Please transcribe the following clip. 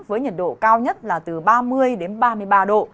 với nhiệt độ cao nhất là từ ba mươi ba mươi ba độ